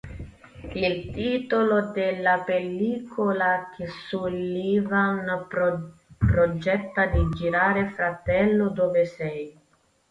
Il titolo della pellicola che Sullivan progetta di girare, "Fratello, dove sei?